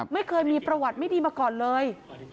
ไม่เคยมีประวัติไม่ดีมาก่อนเลย